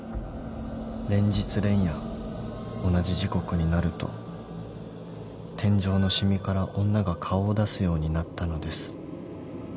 連日連夜同じ時刻になると天井の染みから女が顔を出すようになったのです］